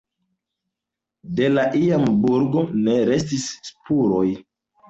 De la iama burgo ne restis spuroj.